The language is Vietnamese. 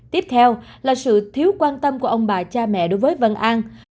tiếp theo là sự thiếu quan tâm của ông bà cha mẹ đối với vân an